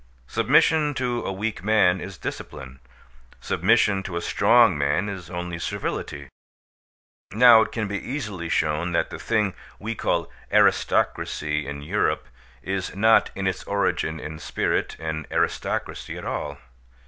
Submission to a weak man is discipline. Submission to a strong man is only servility. Now it can be easily shown that the thing we call aristocracy in Europe is not in its origin and spirit an aristocracy at all.